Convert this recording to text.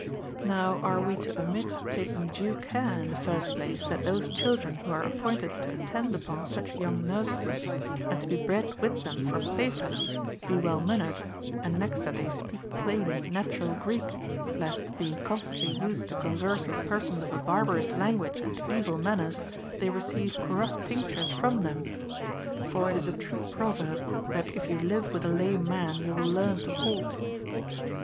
6. Nor are we to omit taking due care, in the first place, that those children who are appointed to attend upon such young nurslings, and to be bred with them for play fellows, be well mannered, and next that they speak plain, natural Greek ; lest, being constantly used to converse with persons of a barbarous language and evil manners, they receive corrupt tinctures from them. For it is a true proverb, that if you live with a lame man, you will learn to halt.